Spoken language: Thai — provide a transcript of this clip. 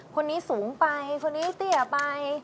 คนนี้สูงไปคนนี้เตี้ยไป